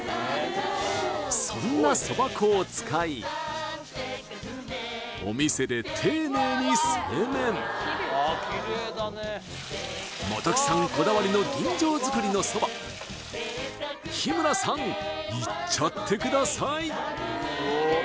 そんなそば粉を使いお店で丁寧に製麺もときさんこだわりの吟醸造りのそば日村さんいっちゃってください